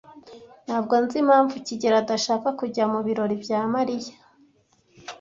Ntabwo nzi impamvu kigeli adashaka kujya mubirori bya Mariya.